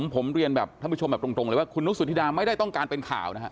ผมเรียนแบบท่านผู้ชมแบบตรงเลยว่าคุณนุกสุธิดาไม่ได้ต้องการเป็นข่าวนะฮะ